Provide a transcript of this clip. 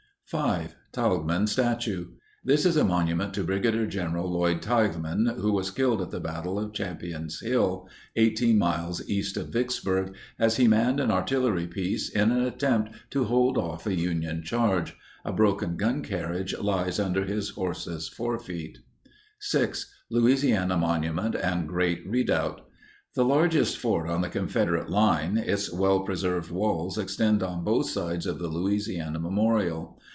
5. TILGHMAN STATUE. This is a monument to Brig. Gen. Lloyd Tilghman who was killed at the battle of Champion's Hill, 18 miles east of Vicksburg, as he manned an artillery piece in an attempt to hold off a Union charge. A broken gun carriage lies under his horse's forefeet. 6. LOUISIANA MONUMENT AND GREAT REDOUBT. The largest fort on the Confederate line, its well preserved walls extend on both sides of the Louisiana memorial.